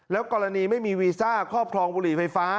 กรณีไม่มีวีซ่าครอบครองบุหรี่ไฟฟ้า